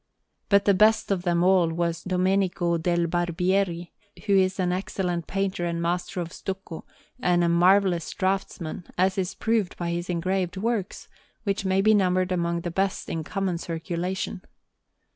But the best of them all was Domenico del Barbieri, who is an excellent painter and master of stucco, and a marvellous draughtsman, as is proved by his engraved works, which may be numbered among the best in common circulation.